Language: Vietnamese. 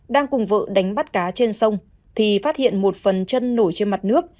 đang cùng vợ đánh bắt cá trên sông thì phát hiện một phần chân nổi trên mặt nước